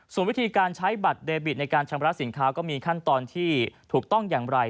ส่วนวิธีการใช้บัตรเดบิตในการชำระสินค้าก็มีขั้นตอนที่ถูกต้องอย่างไร